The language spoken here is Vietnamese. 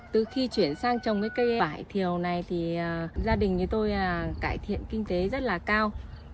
từ khi chuyển sang trồng cây vải thiều này thì gia đình như tôi cải thiện kinh tế rất là cao